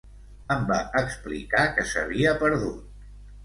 Em va explicar que s'havia perdut.